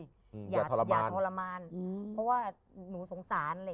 อย่าทรมานเพราะว่าหนูสงสารอะไรอย่างนี้ค่ะ